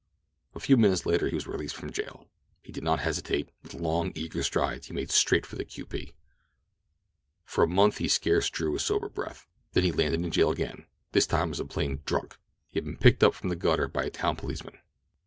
A few minutes later he was released from jail. He did not hesitate. With long, eager strides he made straight for the Q. P. For a month he scarce drew a sober breath. Then he landed in jail again—this time as a plain "drunk"—he had been picked up from the gutter by a town policeman.